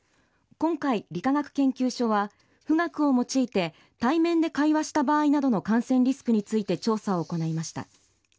今回、理化学研究所は、富岳を用いて、対面で会話した場合などの感染リスクについて調査を行いました。